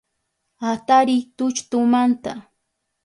Atariy tulltumanta